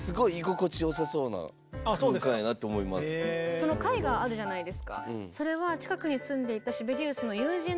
その絵画あるじゃないですか。